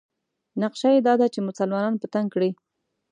نقشه یې دا ده چې مسلمانان په تنګ کړي.